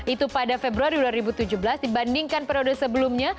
itu pada februari dua ribu tujuh belas dibandingkan periode sebelumnya